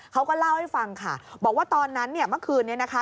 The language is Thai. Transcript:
เขาก็เล่าให้ฟังค่ะบอกว่าตอนนั้นเนี่ยเมื่อคืนนี้นะคะ